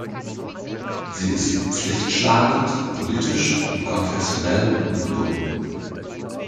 Sie ist pflichtschlagend, politisch und konfessionell ungebunden.